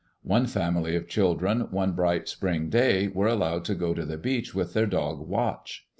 One family of children, one bright spring day, were allowed to go to the beach with their dog Watch.